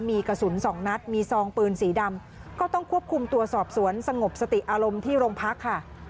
มีกระสุนสองนัดมีซองปืนสีดำก็ต้องควบคุมตัวสอบสวนสงบสติอารมณ์ที่โรงพักค่ะ